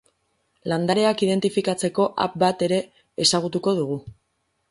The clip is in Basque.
Landareak identifikatzeko app bat ere ezagutuko dugu.